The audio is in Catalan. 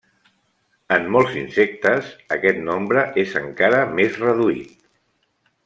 En molts insectes aquest nombre és encara més reduït.